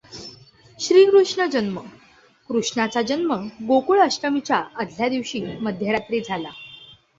श्रीकृष्ण जन्म, कृष्णाचा जन्म गोकुळ अष्टमीच्या आधल्या दिवशी मध्यरात्रीला झाला.